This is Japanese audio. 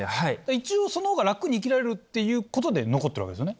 一応そのほうが楽に生きられるっていうことで残ってるわけですよね。